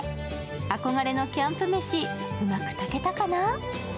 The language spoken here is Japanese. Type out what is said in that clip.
憧れのキャンプ飯、うまく炊けたかな？